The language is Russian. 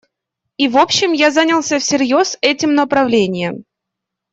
И, в общем, я занялся всерьез этим направлением.